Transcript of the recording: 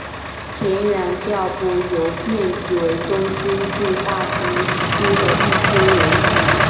田园调布邮便局为东京都大田区的一间邮局。